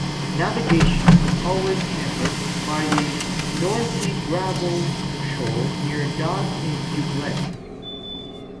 Navigation was always hampered by the Northey Gravel shoal near Dog-in-a-Doublet.